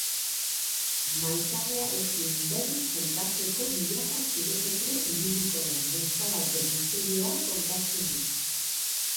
Maitalearekin berriz elkartzeko milaka kilometro ibiliko den neska baten istorioa kontatzen du.